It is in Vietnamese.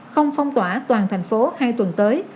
không phong tỏa toàn thành phố hai tuần tới